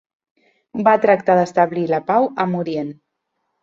Va tractar d'establir la pau amb Orient.